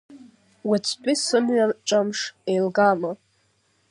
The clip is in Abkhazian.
Уаҵәтәи сымҩаҿамш еилгама?